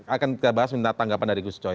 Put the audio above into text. akan kita bahas minta tanggapan dari gus coy